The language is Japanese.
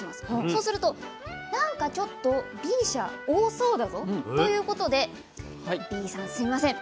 そうするとなんかちょっとＢ社多そうだぞということで「Ｂさんすいません。